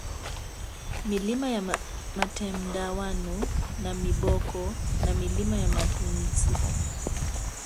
Milima ya Matemdawanu Namiboko na Mlima Matundsi